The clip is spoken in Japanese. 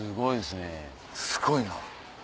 すごいな。